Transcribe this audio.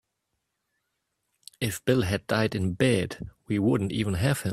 If Bill had died in bed we wouldn't even have him.